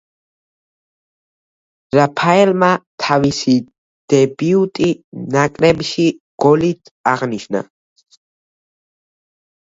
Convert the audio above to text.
რაფაელმა თავისი დებიუტი ნაკრებში გოლით აღნიშნა.